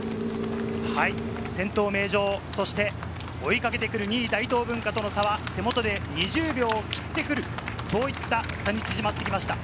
先頭・名城、そして追いかけてくる２位・大東文化との差は手元で２０秒を切ってくる、そういった差に縮まってきました。